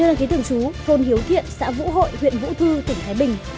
nêu đăng ký tưởng chú thôn hiếu thiện xã vũ hội huyện vũ thư tỉnh thái bình